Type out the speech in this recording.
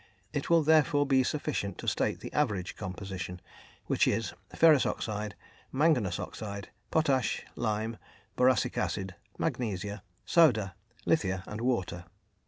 It will therefore be sufficient to state the average composition, which is: ferrous oxide, manganous oxide, potash, lime, boracic acid, magnesia, soda, lithia, and water.